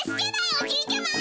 おじいちゃま。